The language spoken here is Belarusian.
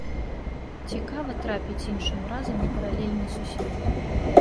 Цікава трапіць іншым разам у паралельны сусвет.